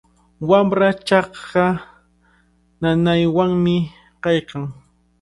Wamraa chanka nanaywanmi kaykan.